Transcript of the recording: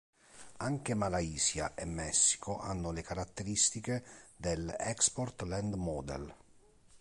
Anche Malaysia e Messico hanno le caratteristiche del Export Land Model.